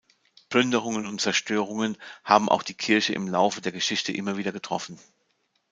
Plünderungen und Zerstörungen haben auch die Kirche im Laufe der Geschichte immer wieder getroffen.